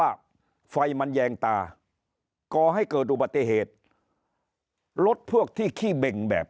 ไฟมันแยงตาก่อให้เกิดอุบัติเหตุรถพวกที่ขี้เบ่งแบบ